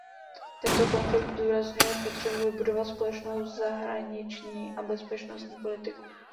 Tento konflikt zdůrazňuje potřebu vybudovat společnou zahraniční a bezpečností politiku.